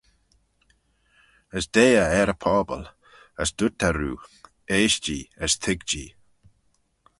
As deie eh er y pobble, as dooyrt eh roo, Eaisht-jee as toig-jee.